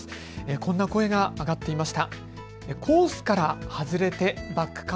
こんな声が上がっていました。